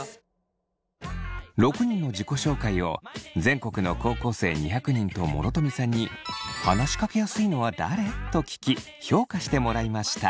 ６人の自己紹介を全国の高校生２００人と諸富さんに「話しかけやすいのは誰？」と聞き評価してもらいました。